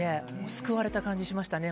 救われた感じがしましたね